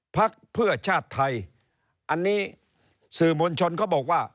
พักเพื่อชาติไทยอันนี้สื่อมวลชนเขาบอกว่า